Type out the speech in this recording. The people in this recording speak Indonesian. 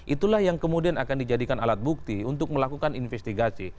itulah yang kemudian akan dijadikan alat bukti untuk melakukan investigasi